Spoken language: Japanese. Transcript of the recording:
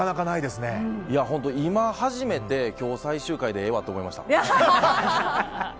今、初めて今日、最終回でええわって思いました。